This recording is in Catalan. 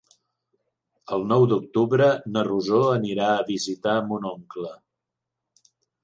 El nou d'octubre na Rosó anirà a visitar mon oncle.